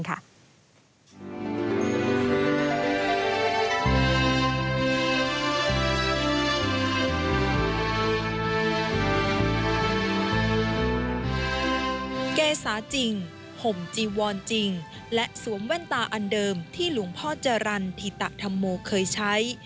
เกษาจริงห่มจีวอนจริงและสวมแว่นตาอันเดิมที่หลวงพ่อจรรย์ธิตธรรมโมเคยใช้